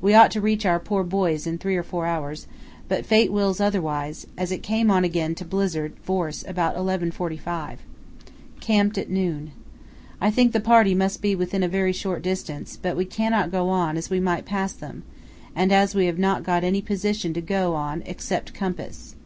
We ought to reach our poor boys in three or four hours, but Fate wills otherwise, as it came on again to blizzard force about 11.45. Camped at noon. I think the party must be within a very short distance, but we cannot go on as we might pass them, and as we have not got any position to go on except compass.